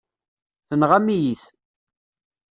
Tenɣam-iyi-t.